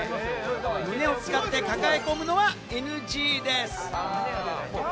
胸を使って抱え込むのはＮＧです。